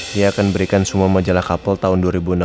dia akan berikan semua majalah kapal tahun dua ribu enam belas